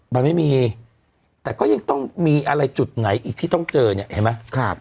มันไม่มีแต่ก็ยังต้องมีอะไรจุดไหนอีกที่ต้องเจอเนี่ยเห็นไหม